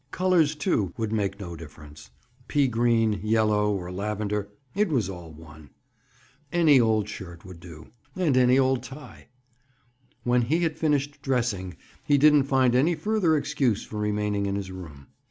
Colors, too, would make no difference. Pea green, yellow, or lavender—it was all one. Any old shirt would do. And any old tie! When he had finished dressing, he didn't find any further excuse for remaining in his room.